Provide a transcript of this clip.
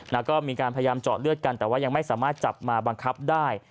แล้วก็มีการพยายามเจาะเลือดกันแต่ว่ายังไม่สามารถจับมาบังคับได้